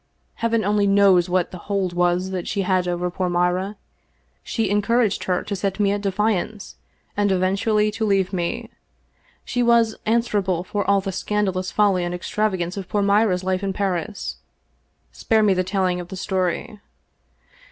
Heaven only knows what the hold was that she had over poor Mira. She encouraged her to set me at defiance and eventually to leave me. She was an swerable for all the scandalous folly and extravagance 'of poor Mira's life in Paris — spare me the telling of the story.